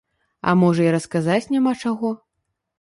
А можа і расказаць няма чаго.